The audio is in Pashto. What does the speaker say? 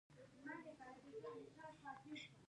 د بنګو کښت منع دی؟